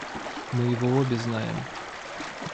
Мы его обе знаем.